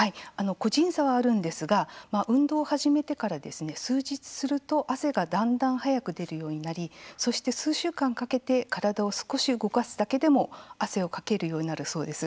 個人差はあるんですが運動を始めてから数日すると汗がだんだん早く出るようになりそして、数週間かけて体を少し動かすだけでも汗をかけるようになるそうです。